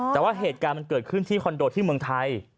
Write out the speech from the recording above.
แต่ว่าเหตุการณ์มันเกิดขึ้นที่คอนโดที่เมืองไทย